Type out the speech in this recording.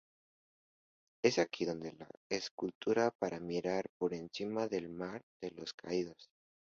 Es aquí donde la escultura para mirar por encima del mar de los caídos.